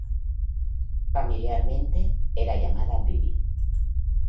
Familiarmente, era llamada "Bibi".